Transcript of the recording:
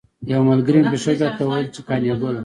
یوه ملګري مې په پیښور کې راته ویل چې قانه ګله.